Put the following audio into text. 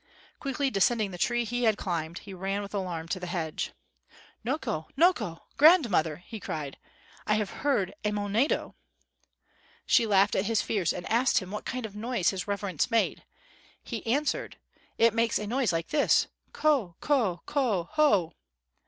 Quickly descending the tree he had climbed, he ran with alarm to the lodge. "Noko! noko! grandmother!" he cried. "I have heard a monedo." She laughed at his fears and asked him what kind of noise his reverence made. He answered: "It makes a noise like this: Ko ko ko ho."